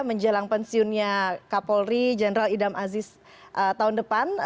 menjelang pensiunnya kapolri jenderal idam aziz tahun depan